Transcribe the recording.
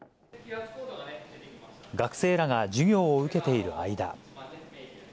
学生らが授業を受けている間。